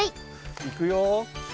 いくよ。